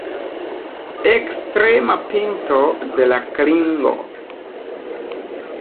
Ekstrema pinto de la klingo.